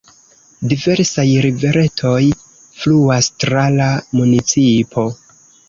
Diversaj riveretoj fluas tra la municipo.